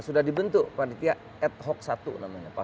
sudah dibentuk panitia ad hoc satu namanya pah satu